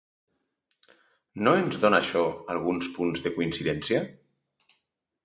No ens dóna això alguns punts de coincidència?